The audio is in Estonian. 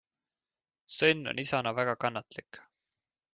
Sõnn on isana väga kannatlik.